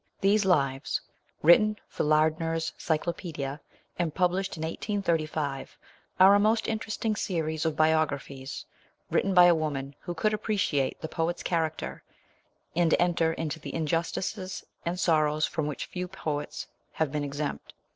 These lives, written for Lardner's Cyclopedia, and published in 1835, are a most interesting series of "biographies written by a woman who could appreciate the poet's character, and enter into the injustices and sorrows from which few poets have been exempt.